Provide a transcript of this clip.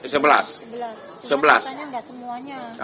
cuma katanya nggak semuanya